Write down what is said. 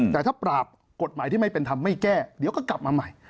แต่ถ้าปราบกฎหมายที่ไม่เป็นธรรมไม่แก้เดี๋ยวก็กลับมาใหม่